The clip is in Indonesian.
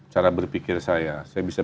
cara berpikir saya saya bisa